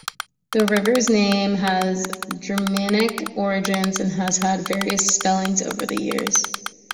The river's name has Germanic origins and has had various spellings over the years.